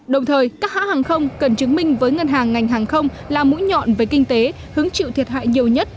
đồng thời các hãng hàng không cần chứng minh với ngân hàng ngành hàng không là mũi nhọn về kinh tế hứng chịu thiệt hại nhiều nhất